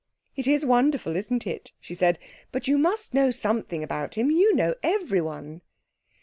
'It is wonderful, isn't it?' she said. 'But you must know something about him. You know everyone.'